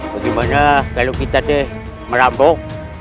bagaimana kalau kita merampok